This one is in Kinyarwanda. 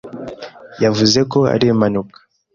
yavuze ko ari impanuka.